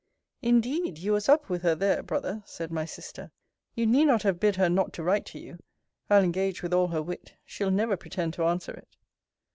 Indeed, you was up with her there, brother, said my sister. You need not have bid her not to write to you. I'll engage, with all her wit, she'll never pretend to answer it.